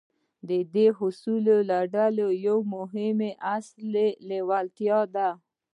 د دې اصولو له ډلې يو مهم اصل لېوالتیا ده.